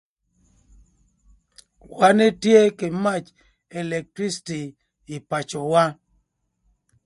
Wan etye kï mac electriciti ï pacöwa